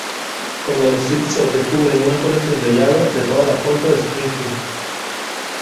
Cuando los Simpson descubren una colección de llaves de todas las puertas de Springfield.